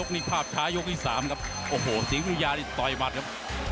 โอ้โหโอ้โหโอ้โหโอ้โหโอ้โหโอ้โหโอ้โห